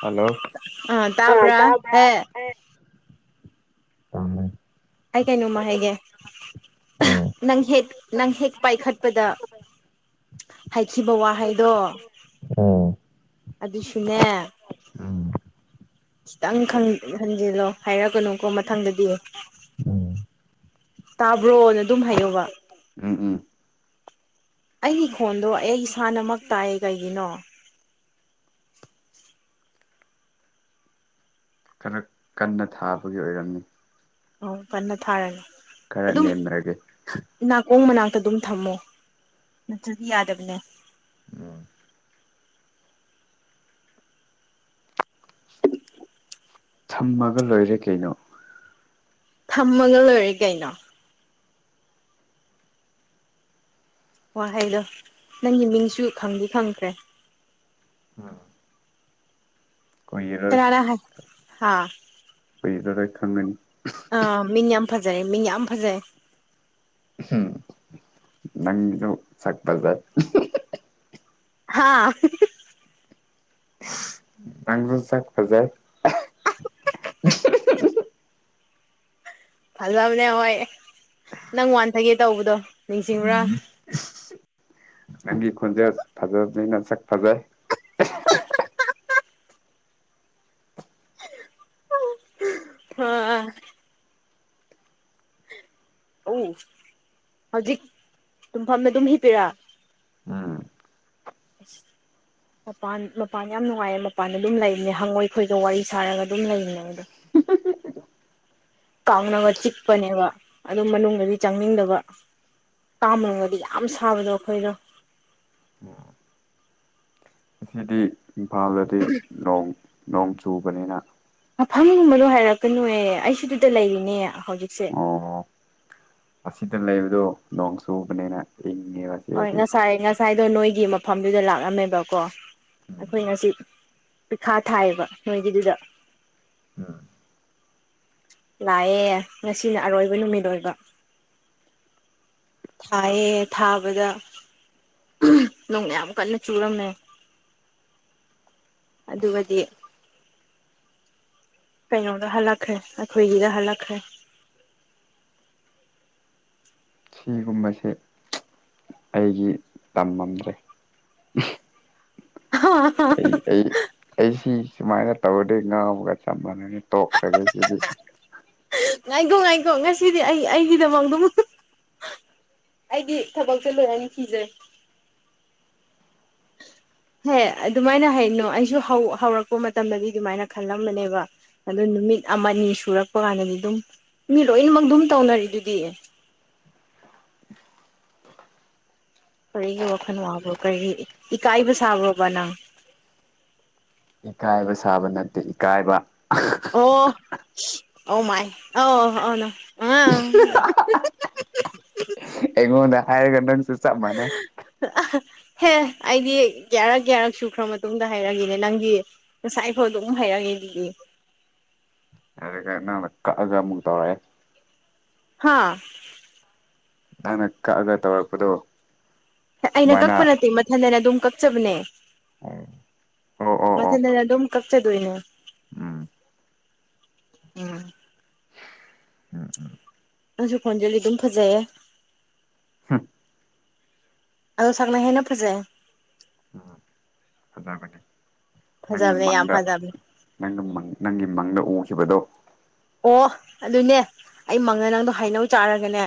hello ꯑꯥ ꯇꯥꯕ꯭ꯔꯥ ꯇ ꯑꯦ ꯇꯃꯦ ꯍꯥꯏꯥꯏ ꯀꯥꯏꯅꯨꯃ ꯍꯦꯒ ꯅꯪ ꯍꯦꯛ ꯅꯪ ꯍꯦꯛ ꯄꯥꯏꯈꯠꯄꯗ ꯍꯥꯏꯈꯤꯕ ꯋꯥꯍꯩꯗꯣ ꯑꯗꯨꯁꯨꯅꯦ ꯈꯤꯇꯪ ꯈꯟꯖꯤꯜꯂꯣ ꯍꯥꯏꯔꯛꯀꯅꯨꯀꯣ ꯃꯊꯪꯗꯗꯤ ꯇꯥꯕ꯭ꯔꯣꯅ ꯑꯗꯨꯝ ꯍꯥꯏꯌꯣꯕ ꯑꯩꯒꯤ ꯈꯣꯟꯗꯣ ꯑꯩ ꯏꯁꯥꯅꯃꯛ ꯇꯥꯛꯑ ꯀꯩꯒꯤꯅꯣ ꯈꯔ ꯀꯟꯅ ꯊꯥꯕꯒꯤ ꯑꯣꯏꯔꯝꯃꯤ ꯑ ꯀꯟꯅ ꯊꯥꯔꯒꯦ ꯑꯗꯨꯝ ꯅꯦꯝꯅꯔꯒꯦ ꯅꯥꯀꯣꯡ ꯃꯅꯥꯛ ꯑꯗꯨꯝ ꯊꯝꯃꯣ ꯅꯠꯇ꯭ꯔꯗꯤ ꯌꯥꯗꯕꯅꯦ ꯊꯝꯃꯒ ꯂꯣꯏꯔꯦ ꯀꯩꯅꯣ ꯊꯃꯒ ꯑꯣꯏꯔꯤ ꯀꯥꯏꯩꯅꯣ ꯋꯥꯍꯩꯗꯣ ꯅꯪꯒꯤ ꯃꯤꯡꯁꯨ ꯈꯪꯗꯤ ꯈꯪꯈ꯭ꯔꯦ ꯀꯨꯏꯔꯔꯣꯏ ꯀꯥꯅꯥ ꯍꯥꯏ ꯍꯥꯥ ꯑꯩꯗꯔ ꯈꯟꯗꯅꯤ ꯑꯥ ꯃꯤꯅ ꯌꯥꯝ ꯐꯖꯔꯦ ꯃꯤ ꯌꯥꯝ ꯐꯖꯔꯦ ꯆꯥꯛꯕꯖꯔ ꯍꯥꯥ ꯅꯪꯖꯣꯟ ꯆꯥꯛ ꯐꯖꯥꯏ ꯐꯜ ꯂꯕꯅꯦ ꯍ ꯅꯪ ꯋꯥꯟꯊꯒꯦ ꯇꯧꯕꯗꯣ ꯅꯤꯡꯁꯤꯡꯕ꯭ꯔꯥ ꯅꯪꯒꯤ ꯈꯣꯟꯖꯦꯜ ꯐꯖꯕꯅꯤꯅ ꯁꯛ ꯐꯖꯩ ꯑ ꯑ ꯍꯧꯖꯤꯛ ꯇꯨꯝꯐꯝꯅ ꯑꯗꯨꯝ ꯍꯤꯞꯄꯤꯔ ꯎꯝ ꯑ ꯃꯄꯥꯟ ꯃꯄꯥꯟ ꯌꯥꯝ ꯅꯨꯡꯉꯥꯏꯌꯦ ꯃꯄꯥꯟ ꯑꯗꯨꯝ ꯂꯩꯔꯤꯅꯦ ꯍꯪꯉꯣꯏꯈꯣꯏꯒ ꯋꯥꯔꯤ ꯁꯥꯔꯒ ꯑꯗꯨꯝ ꯂꯩꯔꯤꯅꯦ ꯑꯗꯣ ꯀꯥꯎꯅꯕ ꯆꯤꯛꯄꯅꯦꯕ ꯑꯗꯨꯝ ꯃꯅꯨꯡꯗꯗꯤ ꯆꯪꯅꯤꯡꯗꯕ ꯄꯥꯝꯃꯒꯗꯤ ꯌꯥꯝ ꯁꯥꯕꯗꯣ ꯑꯩꯈꯣꯏꯗꯣ ꯑ ꯏꯝꯐꯥꯜꯗꯗꯤ ꯅꯣꯡ ꯅꯣꯡ ꯆꯨꯕꯅꯤꯅ ꯐꯝꯒꯨꯝꯕꯅꯣ ꯍꯥꯏꯔꯛꯀꯅꯨꯌꯦ ꯑꯩꯁꯨꯗꯨꯗ ꯂꯩꯔꯤꯅꯦ ꯍꯧꯖꯤꯛꯁꯦ ꯑꯣ ꯑꯁꯤꯗ ꯂꯩꯕꯗꯣ ꯅꯣꯡ ꯆꯨꯕꯅꯤꯅ ꯏꯪꯉꯦꯕ ꯍꯣꯏ ꯁꯤꯗꯗꯤ ꯉꯁꯥꯏ ꯉꯁꯥꯏꯗꯣ ꯅꯣꯏꯒꯤ ꯃꯐꯝꯗꯨꯗ ꯂꯥꯛꯂꯝꯝꯃꯦꯕꯀꯣ ꯑꯩꯈꯣꯏ ꯉꯁꯤ ꯄꯤꯈꯥ ꯊꯥꯏꯑꯕ ꯅꯣꯏꯒꯤꯗꯨꯗ ꯂꯥꯛꯑꯦ ꯉꯁꯤꯅ ꯑꯔꯣꯏꯕ ꯅꯨꯃꯤꯠ ꯑꯣꯏꯕ ꯊꯥꯏꯌꯦ ꯊꯥꯕꯗ ꯅꯣꯡ ꯃ ꯀꯟꯅ ꯆꯨꯔꯝꯃꯦ ꯑꯗꯨꯒꯗꯤ ꯀꯩꯅꯣꯗ ꯍꯜꯂꯛ ꯑꯩꯈꯣꯏꯒꯤꯗ ꯍꯜꯂꯛ ꯍꯥꯏ ꯁꯤꯒꯨꯝꯕꯁꯦ ꯑꯩꯒꯤ ꯇꯝꯃꯝꯗ꯭ꯔꯦ ꯑꯩ ꯑ ꯑꯩ ꯑꯩ ꯁꯤ ꯁꯨꯃꯥꯏꯅ ꯇꯧꯔꯗꯤ ꯉꯥꯎꯕꯒ ꯆꯞ ꯃꯥꯟꯅꯅ ꯇꯣꯛꯈ꯭ꯔꯒꯦ ꯁꯤꯗꯤ ꯉꯥꯏꯈꯣ ꯉꯥꯏꯈꯣ ꯉꯁꯤꯗꯤ ꯑꯩ ꯑꯩꯒꯤꯗꯃꯛꯗ ꯑꯩꯒꯤ ꯊꯕꯛꯁꯦ ꯂꯣꯏꯔꯅ ꯤꯖꯩ [unintelligible] ꯍꯦ ꯑꯗꯨꯃꯥꯏꯅ ꯍꯥꯏꯩꯅꯣ ꯑꯩꯁꯨ ꯍꯧꯔꯛꯄ ꯃꯇꯝꯗꯗꯤ ꯑꯗꯨꯃꯥꯏꯅ ꯈꯜꯂꯝꯕꯅꯦꯕ ꯑꯗꯨ ꯅꯨꯃꯤꯠ ꯑꯃꯅꯤꯅꯤ ꯁꯨꯔꯛꯄ ꯀꯥꯟꯗꯗꯤ ꯑꯗꯨꯝ ꯃꯤ ꯂꯣꯏꯅꯃꯛ ꯑꯗꯨꯝ ꯇꯧꯅꯔꯤ ꯑꯗꯨꯗꯤ [unintelligible] ꯀꯔꯤꯒꯤ ꯋꯥꯈꯜ ꯋꯥꯕꯣ ꯀꯔꯤꯒꯤ ꯏꯀꯥꯏꯕ ꯁꯥꯕ꯭ꯔꯣꯕ ꯅꯪ ꯏꯀꯥꯏꯕ ꯁꯥꯕ ꯅꯠꯇꯦ ꯏꯀꯥꯏꯕ ꯑꯣ ꯑꯣ ꯃꯥꯏ ꯑ ꯑꯅ ꯑ ꯑꯩꯉꯣꯟꯗ ꯍꯥꯏꯔꯒ ꯅꯪꯁꯨ ꯆꯞ ꯃꯥꯟꯅꯩ [unintelligible] ꯍꯦ ꯑꯩꯗꯤ ꯀꯌꯥꯔꯛ ꯀꯌꯥꯔꯛ ꯁꯨꯈ꯭ꯔ ꯃꯇꯨꯡꯗ ꯍꯥꯏꯔꯛꯦꯅꯦ ꯅꯪꯗꯤ ꯉꯁꯥꯏꯐꯥꯎ ꯑꯗꯨꯝ ꯍꯥꯏꯔꯒꯦ ꯍ ꯑꯗ ꯀꯥꯏ ꯀꯛꯑꯒ ꯑꯃꯨꯛ ꯇꯧꯔꯛꯑꯦ ꯍꯥꯥ ꯅꯅꯛ ꯀꯛꯑꯒ ꯇꯧꯔꯛꯄꯗꯣ ꯑꯩꯅ ꯁꯨꯃꯥꯏꯅ ꯀꯛꯄ ꯅꯠꯇꯦ ꯃꯊꯟꯗꯅ ꯑꯗꯨꯝ ꯀꯛꯆꯕꯅꯦ ꯎ ꯃꯊꯟꯗ ꯑꯗꯨꯝ ꯀꯛꯆꯗꯣꯏꯅꯦ ꯎꯝ ꯎꯝ ꯑꯁꯨ ꯈꯣꯟꯖꯜꯂꯤ ꯑꯗꯨꯝ ꯐꯖꯩꯌꯦ ꯑꯗꯣ ꯁꯛꯅꯍꯦꯅ ꯐꯖꯩ ꯅꯪꯒꯤ ꯐꯖꯕꯅꯦ ꯌꯥꯝ ꯃꯪꯗ ꯐꯖꯕꯅꯦ ꯅꯪꯒꯤ ꯃꯪ ꯅꯪꯒꯤ ꯃꯪꯗ ꯎꯈꯤꯕꯗꯣ ꯑꯣ ꯑꯗꯨꯅꯦ ꯑꯩ ꯃꯪꯉ ꯅꯪꯗꯣ ꯍꯥꯏꯅꯧ ꯆꯥꯔꯒꯅꯦ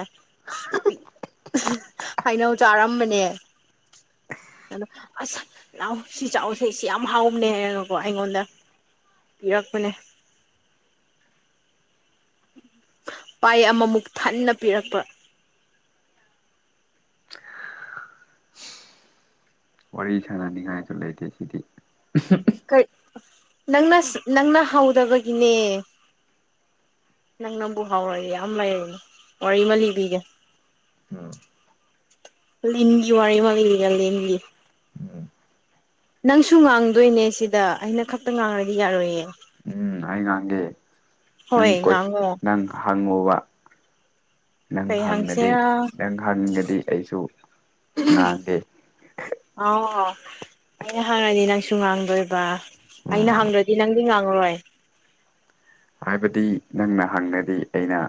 ꯍꯥꯏꯩꯅꯧ ꯆꯥꯔꯝꯕꯅꯦ ꯑꯗꯣ ꯑꯁ ꯂꯥꯛ ꯁꯤ ꯆꯥꯎꯁꯦ ꯁꯤ ꯌꯥꯝ ꯍꯥꯎꯕꯅꯦ ꯍꯥꯏꯀꯣ ꯑꯩꯉꯣꯟꯗ ꯄꯤꯔꯛꯄꯅꯦ ꯄꯥꯏ ꯑꯃꯃꯨꯛ ꯊꯟꯅ ꯄꯤꯔꯛꯄ ꯋꯥꯔꯤ ꯁꯥꯟꯅꯅꯤꯡꯉꯥꯏꯁꯨ ꯂꯩꯇꯦ ꯁꯤꯗꯤ ꯀꯔꯤ ꯅꯪꯅ ꯅꯪꯅ ꯍꯧꯗꯕꯒꯤꯅꯦ ꯅꯪ ꯅꯪꯕꯨ ꯍꯥꯎꯔꯦ ꯌꯥꯝ ꯂꯩꯔꯦꯅꯦ ꯋꯥꯔꯤ ꯑꯃ ꯂꯤꯕꯤꯒꯦ ꯂꯤꯒꯤ ꯋꯥꯔꯤ ꯃꯥ ꯂꯩꯒ ꯂ ꯂꯤ ꯅꯪꯁꯨ ꯉꯥꯡꯗꯣꯏꯅꯦ ꯁꯤꯗ ꯑꯩꯅ ꯈꯛꯇ ꯉꯥꯡꯔꯗꯤ ꯌꯥꯔꯣꯏꯌꯦ ꯑꯩꯉꯥꯡꯒꯤ ꯅꯪ ꯍꯣꯏ ꯀꯣꯏ ꯉꯥꯡꯉꯣ ꯅꯪ ꯍꯪꯉꯨꯕ ꯅꯪ ꯀꯩ ꯍꯪꯉꯗꯤ ꯍꯪꯁꯦꯔꯥ ꯅꯪ ꯍꯪꯉꯗꯤ ꯑꯩꯁꯨ ꯅ ꯀꯦ ꯑꯥꯎ ꯑꯩꯅ ꯍꯪꯉꯗꯤ ꯅꯪꯁꯨ ꯉꯥꯡꯗꯣꯏꯕ ꯎꯝ ꯑꯩꯅ ꯍꯪꯗ꯭ꯔꯗꯤ ꯅꯪꯗꯤ ꯉꯥꯡꯉꯔꯣꯏ [unintelligible] ꯍꯥꯏꯕꯗꯤ ꯅꯪꯅ ꯍꯪꯉꯗꯤ ꯑꯩꯅ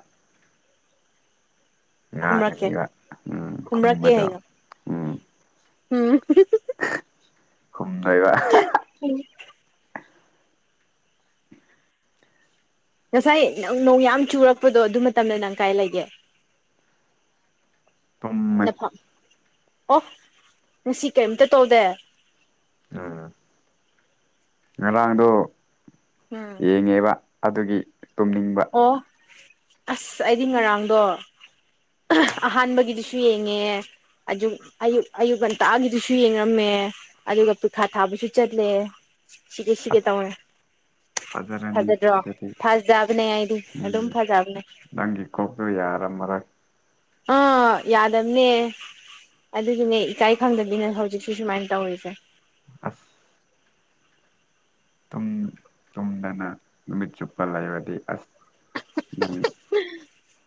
ꯈꯨꯝꯔꯀꯦ ꯉꯥꯡꯉꯅꯤꯕ ꯎꯝ ꯈꯨꯝꯔꯀꯦ ꯈꯨꯝꯕꯗꯣ ꯍꯥꯏꯒ ꯎꯝ ꯎꯝ ꯍꯨꯝꯗꯣꯏꯕ ꯉꯁꯥꯏ ꯅꯪ ꯅꯣꯡ ꯌꯥꯝ ꯆꯨꯔꯛꯄꯗꯣ ꯑꯗꯨ ꯃꯇꯝꯗ ꯅꯪ ꯀꯥꯏ ꯂꯩꯒꯦ ꯇꯨꯝꯃꯦ ꯅꯐꯝ ꯑꯣ ꯉꯁꯤ ꯀꯩꯝꯇ ꯇꯧꯗꯦ ꯉꯔꯥꯡꯗꯣ ꯎꯝ ꯌꯦꯡꯉꯦꯕ ꯑꯗꯨꯒꯤ ꯇꯨꯝꯅꯤꯡꯕ ꯑꯣ ꯑꯁ ꯑꯩꯗꯤ ꯉꯔꯥꯡꯗꯣ ꯑꯍꯥꯟꯕꯒꯤꯗꯨꯁꯨ ꯌꯦꯡꯉꯦ ꯑꯛ ꯑꯌꯨꯛ ꯑꯌꯨꯛ ꯉꯟꯇꯥꯒꯤꯗꯨꯁꯨ ꯌꯦꯡꯉꯝꯃꯦ ꯑꯗꯨꯒ ꯄꯤꯈꯥ ꯊꯥꯕꯁꯨ ꯆꯠꯂꯦ ꯁꯤꯒꯦ ꯁꯤꯒꯦ ꯑꯁ ꯇꯥꯃ ꯐꯖꯔꯅꯤ ꯐꯥꯖꯗ꯭ꯔꯣ ꯑꯗꯨꯗꯤ ꯐꯖ ꯎꯝ ꯗꯪꯒꯤ ꯀꯣꯀ ꯌꯥꯔ ꯃꯔꯔ ꯑ ꯌꯥꯗꯗꯝꯅꯦ ꯑꯗꯨꯒꯤꯅꯦ ꯏꯀꯥꯏ ꯈꯪꯗꯅꯤꯅ ꯍꯧꯖꯤꯛꯁꯤ ꯁꯨꯃꯥꯏꯅ ꯇꯧꯔꯤꯁꯦ ꯑꯁ ꯇꯨꯝꯗꯅ ꯅꯨꯃꯤꯠ ꯆꯨꯞꯄ ꯂꯩꯕꯗꯤ ꯑꯁ ꯃ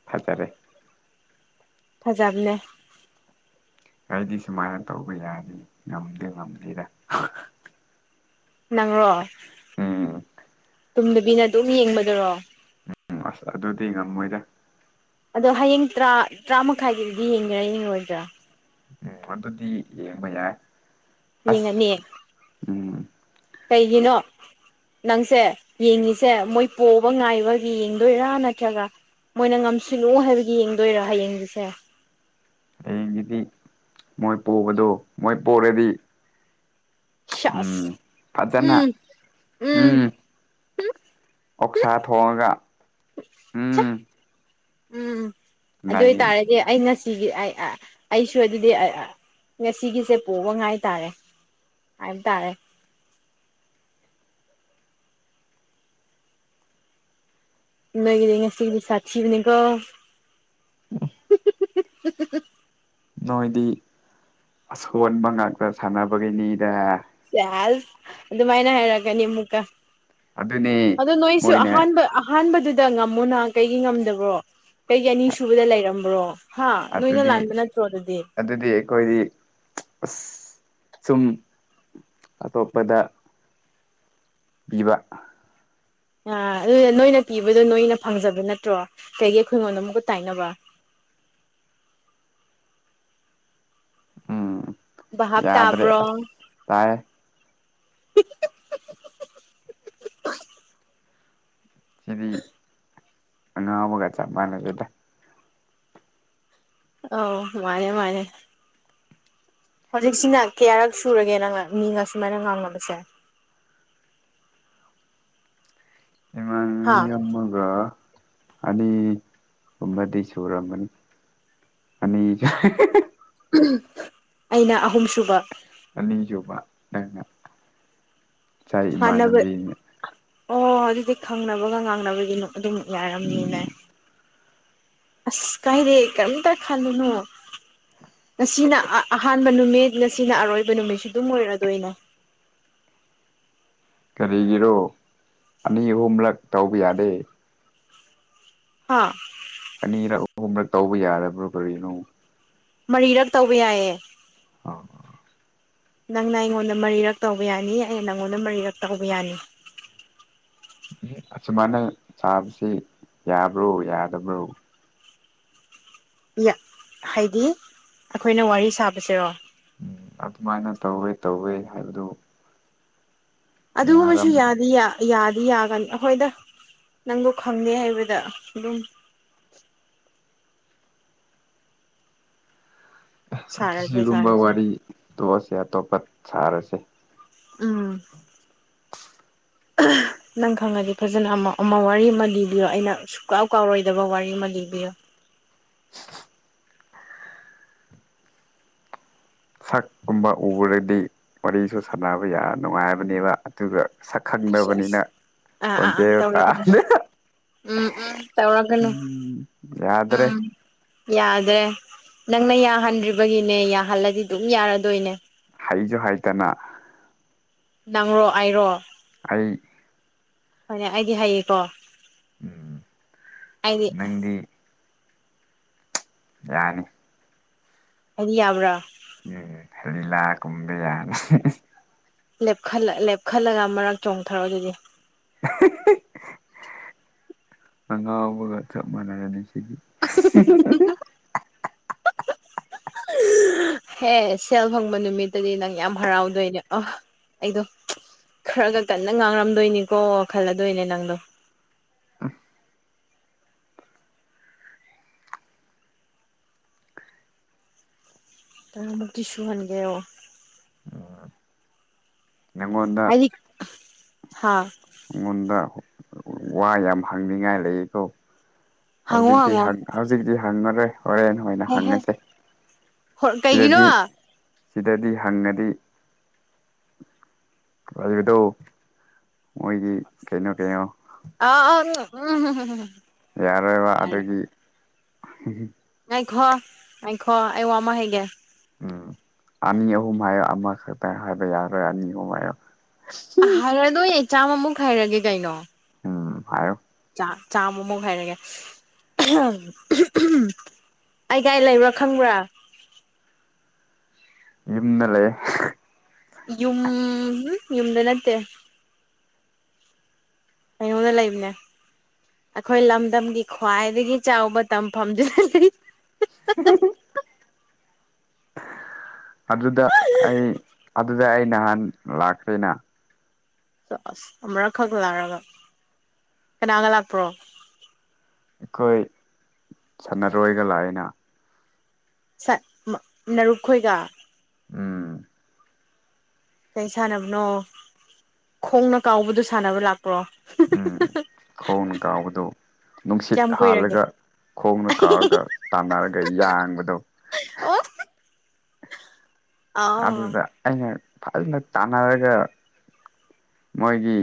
ꯐꯥꯆꯦ ꯐꯖꯕꯅꯦ ꯑꯩꯗꯤ ꯁꯨꯃꯥꯏꯅ ꯇꯧꯕ ꯌꯥꯗꯤꯦ ꯉꯝꯗꯦ ꯉꯝꯗꯦꯗ ꯅꯪꯔꯣ ꯎꯝ ꯇꯨꯝꯗꯕꯤꯅ ꯑꯗꯨꯝ ꯌꯦꯡꯕꯗꯨꯔꯣ ꯎꯝ ꯑꯁ ꯑꯗꯨꯗꯤ ꯉꯝꯃꯣꯏꯗ ꯑꯗꯣ ꯍꯌꯦꯡ ꯇꯔꯥ ꯇꯔꯥꯃꯥꯏꯒꯤꯗꯨꯗꯤ ꯌꯦꯡꯒꯦꯔꯥ ꯌꯦꯡꯉꯣꯏꯗ꯭ꯔꯥ ꯎꯝ ꯑꯗꯨꯗꯤ ꯌꯦꯡꯕ ꯌꯥꯏ ꯑꯁ ꯌꯦꯡꯉꯅꯤ ꯎꯝ ꯀꯩꯒꯤꯅꯣ ꯅꯪꯁꯦ ꯌꯦꯡꯉꯤꯁꯦ ꯃꯣꯏ ꯄꯣꯛꯕ ꯉꯥꯏꯕꯒꯤ ꯌꯦꯡꯗꯣꯏꯔꯥ ꯅꯠꯇ꯭ꯔꯒ ꯃꯣꯏꯅ ꯉꯝꯁꯤꯜꯂꯨ ꯍꯥꯏꯕꯒꯤ ꯌꯦꯡꯗꯣꯏꯔꯥ ꯍꯌꯦꯡꯗꯨꯁꯦ ꯍꯌꯦꯡꯒꯤꯗꯤ ꯃꯣꯏ ꯄꯕꯗꯣ ꯃꯣꯏ ꯄꯔꯗꯤ ꯎꯝ ꯁꯁ ꯐꯖꯟꯅꯥ ꯎꯝ ꯎꯝ ꯑꯣꯛꯁꯥ ꯊꯣꯡꯉꯒ ꯆ ꯎꯝ ꯑꯗꯨ ꯅꯩ ꯑꯣꯏꯇꯥꯔꯗꯤ ꯑꯩ ꯉꯁꯤ ꯁꯤꯒꯤ ꯑꯩ ꯑꯩꯁꯨ ꯑꯗꯨꯗꯤ ꯉꯁꯤꯒꯤꯁꯦ ꯄꯣꯛꯕ ꯉꯥꯏ ꯇꯔꯦ ꯍꯥꯏꯇꯥꯔꯦ ꯂꯩꯒꯤꯗꯤ ꯉ ꯁꯤꯗꯤ ꯁꯥꯁꯤꯤꯕꯅꯤꯀꯣ [unintelligible] ꯅꯣꯏꯗꯤ ꯑꯁꯣꯟꯕ ꯉꯥꯛꯇ ꯁꯥꯟꯅꯕꯒꯤꯅꯤꯗ ꯁꯦꯁ ꯑꯗꯨꯃꯥꯏꯅ ꯍꯥꯏꯔꯛꯀꯅꯤ ꯑꯃꯨꯛꯀ ꯑꯗꯨꯅꯤ ꯑꯗꯣ ꯅꯣꯏꯁꯨ ꯃꯣꯏꯅ ꯑꯍꯥꯟꯕ ꯑꯍꯥꯟꯕꯗꯨꯗꯤ ꯗ ꯉꯝꯃꯣ ꯅꯍ ꯀꯩꯒꯤ ꯉꯝꯗꯕ꯭ꯔꯣ ꯀꯩꯒꯤ ꯑꯅꯤ ꯁꯨꯕꯗ ꯂꯩꯔꯝꯕ꯭ꯔꯣ ꯍꯥꯥ ꯅꯣꯏꯅ ꯑꯗꯨꯗꯤ ꯂꯥꯟꯕ ꯅꯇ꯭ꯔꯣ ꯑꯗꯨꯗꯤ ꯑꯗꯨꯗꯤ ꯑꯩꯈꯣꯏꯗꯤ ꯑꯁ ꯁꯨꯝ ꯑꯇꯣꯞꯄꯗ ꯄꯤꯕ ꯑꯥ ꯑꯗꯨꯗ ꯅꯣꯏꯅ ꯄꯤꯕꯗꯣ ꯅꯣꯏꯅ ꯐꯪꯖꯕ ꯅꯠꯇ꯭ꯔꯣ ꯀꯩꯒꯤ ꯑꯩꯈꯣꯏꯉꯣꯟꯗ ꯑꯃꯨꯛꯀ ꯇꯥꯏꯅꯕ [inaudible] ꯑ ꯍꯥꯞ ꯇꯥꯕ꯭ꯔꯣꯡ ꯇꯥꯏ ꯍꯍꯍꯍꯍ ꯁꯤꯗꯤꯕꯒ ꯆ ꯃꯥꯅꯦꯇ ꯑ ꯃꯥꯅꯦ ꯃꯥꯅꯦ ꯍꯧꯖꯤꯛꯁꯤꯅ ꯀꯌꯥꯔꯛ ꯁꯨꯔꯒꯦ ꯅꯪ ꯃꯤꯒ ꯁꯨꯃꯥꯏꯅ ꯉꯥꯡꯅꯕꯁꯦ ꯑ ꯏꯃꯥꯟꯕꯤ ꯍꯥ ꯑꯃꯒ ꯑꯅꯤ ꯍꯨꯝꯕꯗꯤ ꯁꯨꯔꯝꯅꯤ ꯑꯅꯤꯖ ꯑꯩꯅ ꯑꯍꯨꯝꯁꯨꯕ ꯑꯅꯤꯁꯨꯕ ꯅꯪꯅ ꯏ ꯍꯥꯟꯅꯕ ꯏꯃꯥꯟꯅꯕꯤꯅꯤ ꯑꯣ ꯑꯗꯨꯗꯤ ꯈꯪꯅꯕꯒ ꯉꯥꯡꯅꯕꯒꯤ ꯑꯗꯨꯝ ꯎꯝ ꯌꯥꯔꯝꯅꯤꯅꯦ ꯑꯁ ꯀꯥꯏꯔꯦ ꯀꯔꯝ ꯇ ꯈꯜꯂꯨꯅꯣ ꯉꯁꯤꯅ ꯑꯍꯥꯟꯕ ꯅꯨꯃꯤꯠ ꯉꯁꯤꯅ ꯑꯔꯣꯏꯕ ꯅꯨꯃꯤꯠꯁꯨ ꯑꯗꯨꯝ ꯑꯣꯏꯔꯗꯣꯏꯅꯦ [inaudible] ꯀꯔꯤꯒꯤꯔꯣ ꯑꯅꯤ ꯑꯍꯨꯝꯂꯛ ꯇꯧꯕ ꯌꯥꯗꯦ ꯍꯥꯥ ꯑꯅꯤꯔꯛ ꯑꯍꯨꯝꯂꯛ ꯇꯧꯕ ꯌꯥꯔꯕ꯭ꯔꯣ ꯀꯔꯤꯅꯣ ꯃꯔꯤꯔꯛ ꯇꯧꯕ ꯌꯥꯏꯌꯦ ꯑ ꯅꯪꯅ ꯑꯩꯉꯣꯟꯗ ꯃꯔꯤꯔꯛ ꯇꯧꯕ ꯌꯥꯅꯤ ꯑꯩ ꯅꯪꯉꯣꯟꯗ ꯃꯔꯤꯔꯛ ꯇꯧꯕ ꯌꯥꯅꯤ ꯁꯨꯃꯥꯏꯅ ꯁꯥꯕꯁꯤ ꯌꯥꯕ꯭ꯔꯣ ꯌꯥꯗꯕ꯭ꯔꯣ ꯍꯥꯏꯗꯤ ꯑꯩꯈꯣꯏꯅ ꯋꯥꯔꯤ ꯁꯥꯕꯕꯁꯤꯔꯣ ꯎꯝ ꯑꯗꯨꯃꯥꯏꯅ ꯇꯧꯋꯦ ꯇꯧꯋꯦ ꯍꯥꯏꯕꯗꯨ ꯑꯗꯨꯒꯨꯝꯕꯁꯨ ꯌꯥꯔꯝ ꯌꯥꯗꯤ ꯌꯥ ꯌꯥꯒꯅꯤ ꯑꯩꯈꯣꯏꯗ ꯅꯪꯗꯣ ꯈꯪꯗꯦ ꯍꯥꯏꯕꯗ ꯑꯗꯨꯝ [inaudible] ꯁꯥꯔꯁꯦ ꯁꯤꯒꯨꯝꯕ ꯁꯥꯔꯁꯦ ꯋꯥꯔꯤ ꯇꯣꯛꯑꯁꯦ ꯑꯇꯣꯞꯄ ꯁꯥꯔꯁꯦ ꯎꯝ ꯅꯪ ꯈꯪꯉꯗꯤ ꯐꯖꯅ ꯑꯃ ꯑꯃ ꯋꯥꯔꯤ ꯑꯃ ꯂꯤꯕꯤꯌꯣ ꯑꯩꯅ ꯁꯨꯛꯀꯥꯎ ꯀꯥꯎꯔꯣꯏꯗꯕ ꯋꯥꯔꯤ ꯑꯃ ꯂꯤꯕꯤꯌꯣ [inaudible] ꯁꯛꯀꯨꯝꯕ ꯎꯕꯗꯗꯤ ꯋꯥꯔꯤꯁꯨ ꯁꯥꯟꯅꯕ ꯌꯥꯝ ꯅꯨꯡꯉꯥꯏꯕꯅꯦꯕ ꯑꯗꯨꯒ ꯑꯁ ꯑꯁ ꯁꯛꯈꯪꯗꯅꯕꯅꯤꯅ ꯑꯥ ꯑꯥ ꯑꯥ ꯀꯣꯟꯖꯦ ꯇꯥ ꯇꯧꯔꯒꯅꯨ ꯎꯝ ꯎꯝ ꯇꯧꯔꯒꯅꯨ ꯎꯝ ꯌꯥꯗ꯭ꯔꯦ ꯎꯝ ꯌꯥꯗ꯭ꯔꯦ ꯅꯪꯅ ꯌꯥꯍꯟꯗ꯭ꯔꯤꯕꯒꯤꯅꯦ ꯌꯥꯍꯜꯂꯗꯤ ꯑꯗꯨꯝ ꯌꯥꯔꯗꯣꯏꯅꯦ ꯑꯩꯁꯨ ꯍꯥꯏꯗꯅ ꯅꯪꯔꯣ ꯑꯩꯔꯣ ꯑꯩ ꯍꯣꯏꯅꯦ ꯑꯩꯗꯤ ꯍꯥꯏꯌꯦꯀꯣ ꯎꯝ ꯅꯪꯗꯤ ꯌꯥꯅꯤ ꯍꯥꯏꯗꯤ ꯌꯥꯕ꯭ꯔꯥ ꯎꯝ ꯍꯂꯥ ꯀꯕ ꯌꯥꯅꯤ ꯂꯦꯞꯈꯠꯂꯒ ꯃꯔꯛ ꯆꯣꯡꯊꯔꯛꯑꯣ ꯑꯗꯨꯗꯤ ꯑ ꯉꯥꯎꯕꯒ ꯆꯞ ꯃꯥꯟꯅꯔꯅꯤ [inaudible] [inaudible] ꯍꯦ ꯁꯦꯜ ꯐꯪꯕ ꯅꯨꯃꯤꯠꯇꯗꯤ ꯅꯪ ꯌꯥꯝ ꯍꯔꯥꯎꯗꯣꯏꯅꯦ ꯑ ꯑꯩꯗꯣ ꯈꯔ ꯈ ꯀꯟꯅ ꯉꯥꯡꯔꯝꯗꯣꯏꯅꯤꯀꯣ ꯈꯜꯂꯗꯣꯏꯅꯦ ꯅꯪꯗꯣ ꯇ ꯀꯤꯁꯨ ꯍꯥꯏꯟꯒꯦ ꯑꯣ ꯅꯪꯉꯣꯟꯗ ꯍꯥꯥ ꯑꯩꯉꯣꯟꯗ ꯋꯥ ꯌꯥꯝ ꯍꯪꯅꯤꯡꯉꯥꯏ ꯂꯩꯀꯣ ꯍꯪꯉꯣ ꯍꯧꯖꯤꯛꯇꯤ ꯍꯪꯉꯣ ꯍꯧꯖꯤꯛꯇꯤ ꯍꯪꯉꯔꯦ ꯍꯣꯔꯦꯟ ꯅꯣꯏꯅ ꯍꯦ ꯍꯦ ꯍꯪꯉꯁꯦ ꯍꯣꯏ ꯀꯩꯒꯤꯅꯣ ꯁꯤꯗꯗꯤ ꯑ ꯁꯤꯗꯗꯤ ꯍꯪꯉꯗꯤ ꯍꯥꯏꯕꯗꯣ ꯃꯣꯏꯒꯤ ꯀꯩꯅꯣ ꯀꯩꯅꯣ ꯑ ꯎꯝ ꯌꯥꯔꯣꯏꯕ ꯌꯥꯔꯦ ꯑꯗꯨꯗꯒꯤ ꯑꯥꯏꯈꯣ ꯑꯥꯏꯈꯣ ꯑ ꯋꯥꯃ ꯍꯦꯒꯦ ꯎꯝ ꯑꯅꯤ ꯑꯍꯨꯝ ꯍꯥꯏꯌꯣ ꯑꯃꯈꯛꯇꯪ ꯍꯥꯏꯕ ꯌꯥꯔꯣꯏ ꯑꯅꯤ ꯑꯍꯨꯝ ꯍꯥꯏꯌꯣ ꯍꯥꯏꯔꯗꯣꯏ ꯑꯩ ꯆꯥꯝꯃꯃꯨꯛ ꯍꯥꯏꯔꯒꯦ ꯀꯩꯅꯣ ꯎꯝ ꯍꯥꯏ ꯆꯥꯃꯃꯨ ꯍꯥꯏꯔꯒꯦ ꯑꯩꯒꯥꯏ ꯂꯩꯕ꯭ꯔꯥ ꯈꯪꯕ꯭ꯔꯥ ꯏꯝꯅ ꯂꯩ ꯌꯨꯝ ꯌꯨꯝꯗ ꯅꯠꯇꯦ ꯑꯩꯉꯟꯅ ꯂꯩꯕꯅꯦ ꯑꯩꯈꯣꯏ ꯂꯝꯗꯝꯒꯤ ꯈ꯭ꯋꯥꯏꯗꯒꯤ ꯆꯥꯎꯕ ꯇꯝꯐꯝꯗꯨ [inaudible] [unintelligible] ꯑꯗꯨꯗ ꯑꯩ ꯑꯗꯨꯗ ꯑꯩ ꯅꯍꯥꯟ ꯂꯥꯛꯇꯦꯅ ꯆꯁ ꯑꯃꯔꯛꯈꯛ ꯂꯥꯛꯔꯒ ꯀꯅꯥꯒ ꯂꯥꯛꯄ꯭ꯔꯣ ꯑꯩꯈꯣꯏ ꯁꯥꯟꯅꯔꯣꯏꯒ ꯂꯥꯛꯑꯅ ꯔꯨꯛ ꯈꯣꯏꯒ ꯎꯝ ꯀꯩ ꯁꯥꯟꯅꯕꯅꯣ ꯈꯣꯡꯅ ꯀꯥꯎꯕꯗꯣ ꯁꯥꯟꯅꯕ ꯂꯥꯛ [inaudible] [inaudible] ꯈꯣꯟꯒꯥꯎꯗ ꯀꯌꯥꯝ ꯅꯨꯡꯁꯤꯠ ꯀꯨꯏꯔꯒꯦ ꯍꯥꯜꯂꯒ ꯈꯣꯡꯅ ꯀꯥꯎꯔꯒ ꯇꯥꯟꯅꯔꯒ ꯌꯥꯡꯕꯗꯣ ꯑꯣ ꯑꯥꯎ ꯑꯗꯨꯗ ꯑꯩꯅ ꯐꯖꯅ ꯇꯥꯟꯅꯔꯒ ꯃꯣꯏꯒꯤ